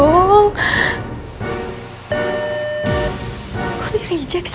enggak kali tahu mas